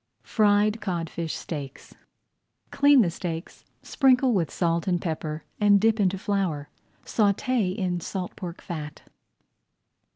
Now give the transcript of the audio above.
FRIED CODFISH STEAKS Clean the steaks, sprinkle with salt and pepper, and dip into flour. Sauté in salt pork fat.